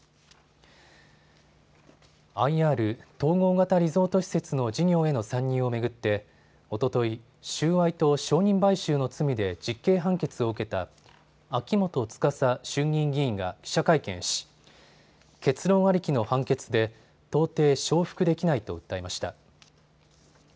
ＩＲ・統合型リゾート施設の事業への参入を巡っておととい、収賄と証人買収の罪で実刑判決を受けた秋元司衆議院議員が記者会見し結論ありきの判決で到底承服できないと訴えました。